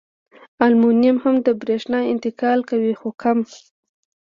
المونیم هم د برېښنا انتقال کوي خو کم.